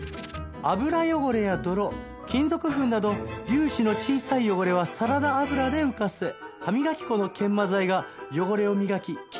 油汚れや泥金属粉など粒子の小さい汚れはサラダ油で浮かせ歯磨き粉の研磨剤が汚れを磨ききれいにします。